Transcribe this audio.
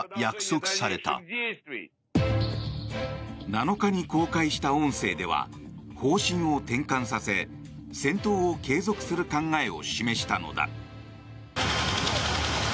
７日に公開した音声では方針を転換させ戦闘を継続する考えを示したのだ。